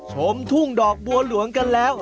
ชมทุ่งดอกบัวหลวงกันแล้ว